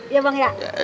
iya bang ya